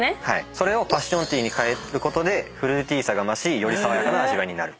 それをパッションティーに変えることでフルーティーさが増しより爽やかな味わいになる。